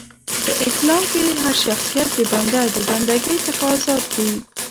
په اسلام کښي هرشخصیت د بنده د بنده ګۍ څخه ازاد دي .